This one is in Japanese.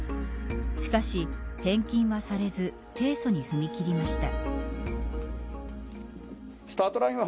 しかし、返金はされず提訴に踏み切りました。